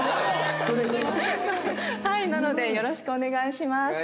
はいなのでよろしくお願いします。